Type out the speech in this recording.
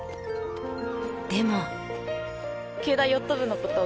でも。